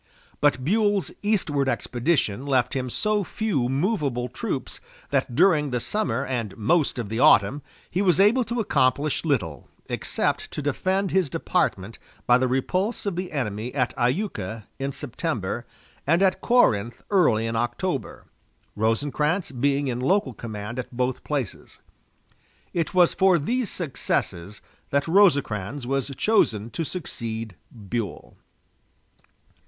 But Buell's eastward expedition left him so few movable troops that during the summer and most of the autumn he was able to accomplish little except to defend his department by the repulse of the enemy at Iuka in September, and at Corinth early in October, Rosecrans being in local command at both places. It was for these successes that Rosecrans was chosen to succeed Buell.